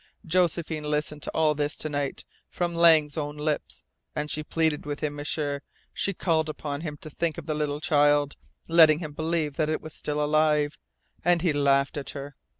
"Josephine listened to all this to night, from Lang's own lips. And she pleaded with him, M'sieur. She called upon him to think of the little child, letting him believe that it was still alive; and he laughed at her.